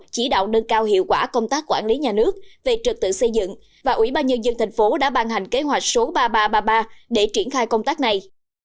chỉ đạo nâng cao hiệu quả công tác quản lý nhà nước về trực tự xây dựng và ủy ban nhân dân thành phố đã ban hành kế hoạch số ba nghìn ba trăm ba mươi ba để triển khai công tác này